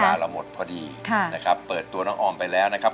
เวลาเราหมดพอดีเปิดตัวน้องอ๋อมไปแล้วนะครับ